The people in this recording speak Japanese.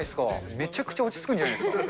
めちゃくちゃ落ち着くんじゃないですか。